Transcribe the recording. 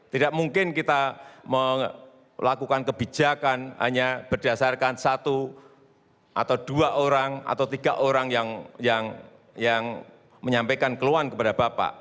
tidak mungkin kita melakukan kebijakan hanya berdasarkan satu atau dua orang atau tiga orang yang menyampaikan keluhan kepada bapak